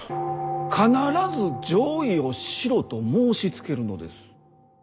必ず攘夷をしろと申しつけるのです。